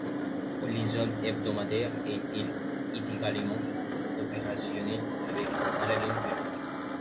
Une liaison hebdomadaire est également opérationnelle avec Kuala Lumpur.